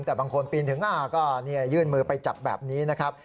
แต่บางคนปีนถึงก็ยื่นมือไปจับแบบนี้นะครับ